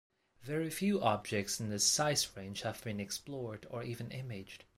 Very few objects in this size range have been explored or even imaged.